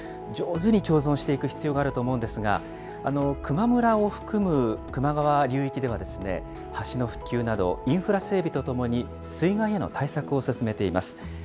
上手に共存していく必要があると思うんですが、球磨村を含む球磨川流域では、橋の復旧などインフラ整備とともに水害への対策を進めています。